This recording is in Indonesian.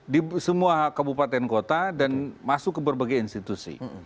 di semua kabupaten kota dan masuk ke berbagai institusi